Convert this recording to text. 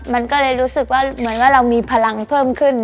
มันก็เลยรู้สึกว่าเหมือนว่าเรามีพลังเพิ่มขึ้น